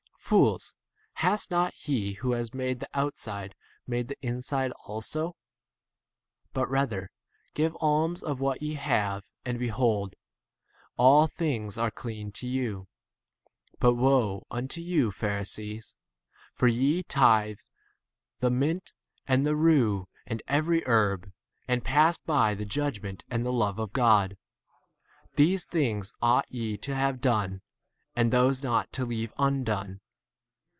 Fools, has not he who has made the outside made 41 the inside also ? But rather give alms of what ye have, and behold, 43 all things are clean to you. But woe unto you, Pharisees, for ye tithe the mint and the rue and every herb, and pass by the judgment and the love of God. These things ought ye to have done, and those not to 43 leave undone.